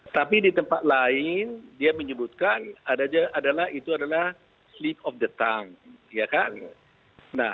tapi di tempat lain dia menyebutkan adalah itu adalah sleep of the time